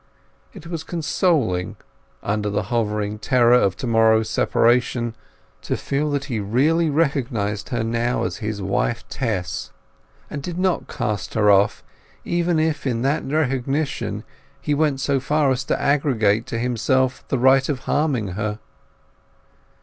It was consoling, under the hovering terror of to morrow's separation, to feel that he really recognized her now as his wife Tess, and did not cast her off, even if in that recognition he went so far as to arrogate to himself the right of harming her.